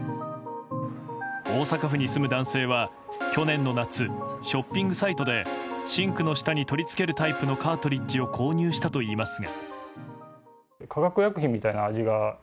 大阪府に住む男性は去年の夏ショッピングサイトでシンクの下に取り付けるタイプのカートリッジを購入したといいますが。